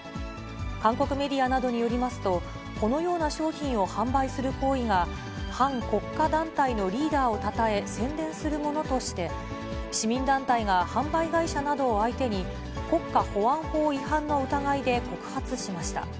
韓国メディアなどによりますと、このような商品を販売する行為が、反国家団体のリーダーをたたえ、宣伝するものとして、市民団体が販売会社などを相手に国家保安法違反の疑いで告発しました。